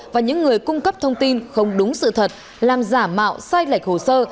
và những người cung cấp thông tin không đúng sự thật làm giả mạo sai lệch hồ sơ